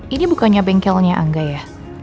ini bukannya bengkelnya angga ya